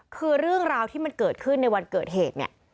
คือเรื่องราวที่มันเกิดขึ้นในวันเกิดเหตุเนี่ย